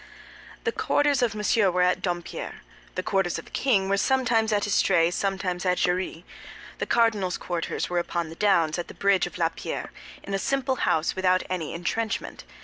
The quarters of Monsieur were at Dompierre; the quarters of the king were sometimes at Estrée, sometimes at Jarrie; the cardinal's quarters were upon the downs, at the bridge of La Pierre, in a simple house without any entrenchment.